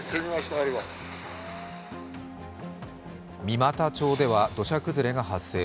三股町では土砂崩れが発生。